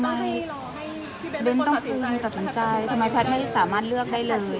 แต่ก็เหมือนเป็นความปกติทำไมไม่ต้องให้พี่เบนสามารถเลือกให้เลย